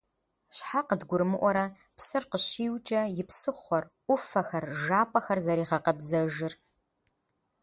Щхьэ къыдгурымыӀуэрэ псыр къыщиукӀэ и псыхъуэр, Ӏуфэхэр, жапӀэхэр зэригъэкъэбзэжыр?!